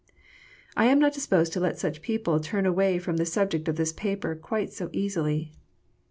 I am not disposed to let such people turn away from the subject of this paper quite so easily.